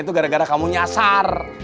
itu gara gara kamu nyasar